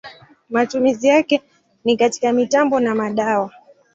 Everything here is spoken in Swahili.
Matumizi yake ni katika mitambo na madawa.